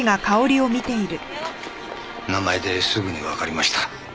名前ですぐにわかりました。